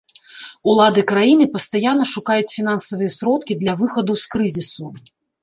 Улады краіны пастаянна шукаюць фінансавыя сродкі для выхаду з крызісу.